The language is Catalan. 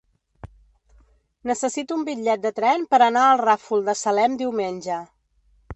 Necessito un bitllet de tren per anar al Ràfol de Salem diumenge.